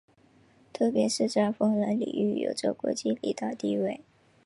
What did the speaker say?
特别是在风能领域有着国际领导地位。